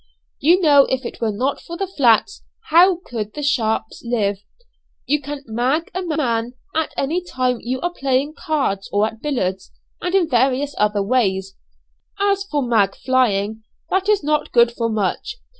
You know if it were not for the flats, how could the sharps live? You can 'mag' a man at any time you are playing cards or at billiards, and in various other ways. As for 'mag flying,' that is not good for much.